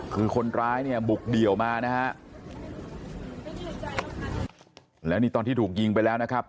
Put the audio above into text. คือคนร้ายเนี่ยบุกเดี่ยวมานะฮะแล้วนี่ตอนที่ถูกยิงไปแล้วนะครับ